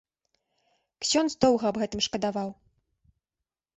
Ксёндз доўга аб гэтым шкадаваў.